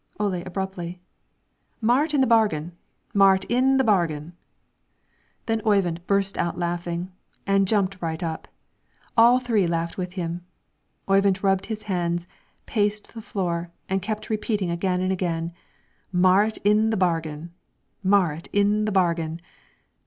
Ole, abruptly: "Marit in the bargain; Marit in the bargain!" Then Oyvind burst out laughing, and jumped right up; all three laughed with him. Oyvind rubbed his hands, paced the floor, and kept repeating again and again: "Marit in the bargain! Marit in the bargain!"